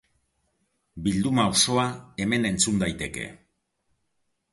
Bilduma osoa hemen entzun daiteke.